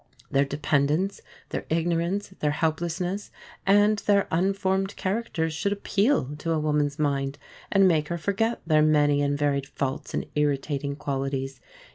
Their dependence, their ignorance, their helplessness, and their unformed characters should appeal to a woman's mind, and make her forget their many and varied faults and irritating qualities.